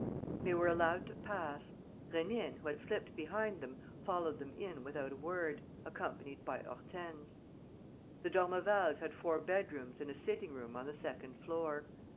They were allowed to pass. Rénine, who had slipped behind them, followed them in without a word, accompanied by Hortense. The d'Ormevals had four bedrooms and a sitting room on the second floor.